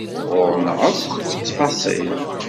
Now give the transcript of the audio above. Ɣur-neɣ akk ttfaṣil.